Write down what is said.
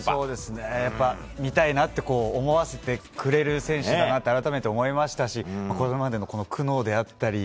やっぱり見たいなと思わせてくれる選手だなと改めて思いましたしこれまでの苦悩であったり